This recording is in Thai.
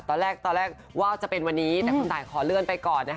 ตอนแรกว่าจะเป็นวันนี้แต่คุณตายขอเลื่อนไปก่อน